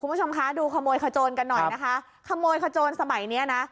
คุณผู้ชมคะดูขโมยขโจนกันหน่อยนะคะขโมยขโจนสมัยเนี้ยนะ